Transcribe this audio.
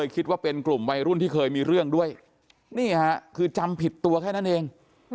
คิดว่าเป็นกลุ่มวัยรุ่นที่เคยมีเรื่องด้วยนี่ค่ะคือจำผิดตัวแค่นั้นเอง